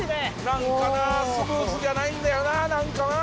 なんかなスムーズじゃないんだよな。